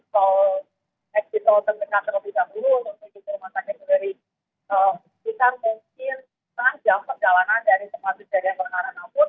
kita mungkin menanggap perjalanan dari tempat kejadian bergerak